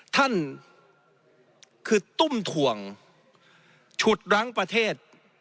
ท่านคือตุ้มถ่วงฉุดรั้งประเทศ